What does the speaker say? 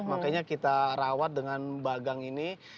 makanya kita rawat dengan bagang ini